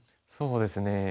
そうですね。